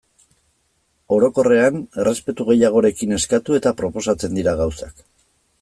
Orokorrean errespetu gehiagorekin eskatu eta proposatzen dira gauzak.